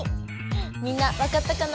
みんなわかったかな？